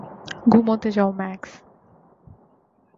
ঘুমোতে যাও, ম্যাক্স।